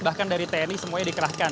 bahkan dari tni semuanya dikerahkan